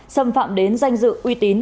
xâm phạm đến danh dự uy tín